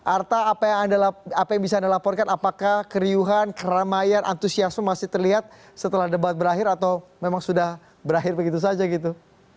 arta apa yang bisa anda laporkan apakah keriuhan keramaian antusiasme masih terlihat setelah debat berakhir atau memang sudah berakhir begitu saja gitu